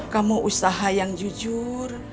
kamu usaha yang jujur